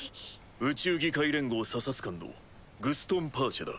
宇宙議会連合査察官のグストン・パーチェだ。